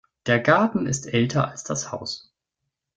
Der Garten ist älter als das Haus.